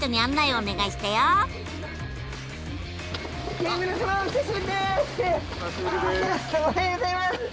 おはようギョざいます！